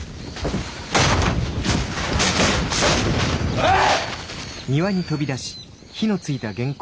おい！